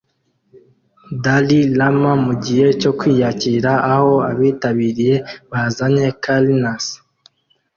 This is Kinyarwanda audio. Dali Lama mugihe cyo kwiyakira aho abitabiriye bazanye karnasi